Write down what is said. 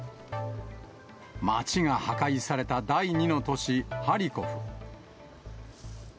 街が破壊された第２の都市、ハリコフ。